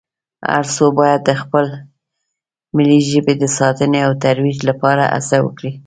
هر څو باید د خپلې ملي ژبې د ساتنې او ترویج لپاره هڅې وکړي